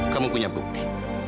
kamu punya bukti